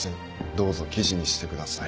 どうぞ記事にしてください。